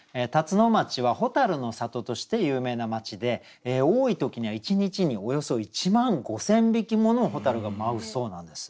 辰野町は蛍の里として有名な町で多い時には１日におよそ１万５，０００匹もの蛍が舞うそうなんです。